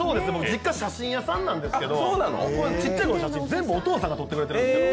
実家、写真屋さんなんですけどちっちゃいころの写真、全部お父さんが撮ってくれてるんですよ。